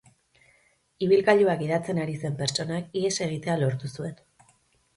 Ibilgailua gidatzen ari zen pertsonak ihes egitea lortu zuen.